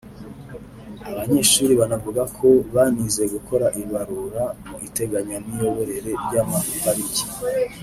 Aba banyeshuri banavuga ko banize gukora ibarura mu iteganyamiyoborere ry’amapariki